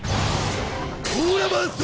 「オーラバースト」！